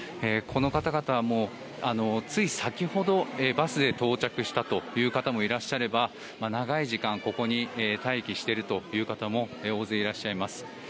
この方々はつい先ほど、バスで到着したという方もいらっしゃれば長い時間ここに待機している方も大勢いらっしゃいます。